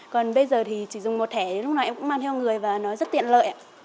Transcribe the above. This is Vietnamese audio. còn bây giờ thì chỉ dùng một thẻ lúc nào em cũng mang theo người và nó rất tiện lợi